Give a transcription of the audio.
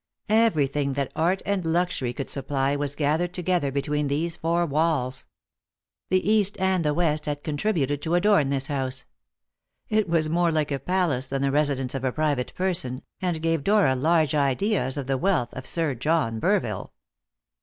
Everything that art and luxury could supply was gathered together between these four walls. The East and the West had contributed to adorn this house. It was more like a palace than the residence of a private person, and gave Dora large ideas of the wealth of Sir John Burville.